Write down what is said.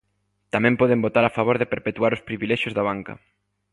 Tamén poden votar a favor de perpetuar os privilexios da banca.